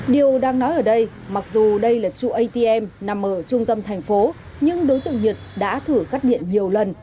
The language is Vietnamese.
điều đang nói ở đây mặc dù đây là trụ atm nằm ở trung tâm thành phố nhưng đối tượng nhật đã thử cắt điện nhiều lần